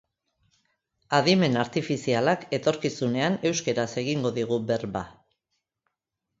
Adimen artifizialak etorkizunean euskaraz egingo digu berba.